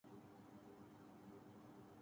کیا کیا کہانیاںان شاموںسے منسلک ہیں۔